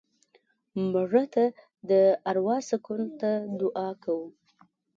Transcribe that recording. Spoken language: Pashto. مړه ته د اروا سکون ته دعا کوو